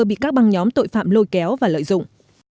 bị các băng nhóm tội phạm lôi kéo và lợi dụng